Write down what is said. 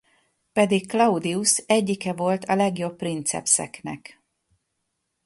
Pedig Claudius egyike volt a legjobb princepseknek.